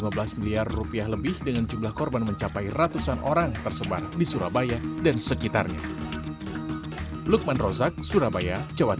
lima belas miliar rupiah lebih dengan jumlah korban mencapai ratusan orang tersebar di surabaya dan sekitarnya